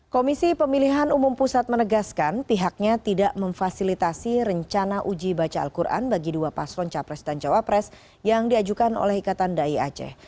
komisi pemilihan umum pusat menegaskan pihaknya tidak memfasilitasi rencana uji baca al quran bagi dua paslon capres dan cawapres yang diajukan oleh ikatan dai aceh